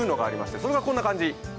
それがこんな感じ。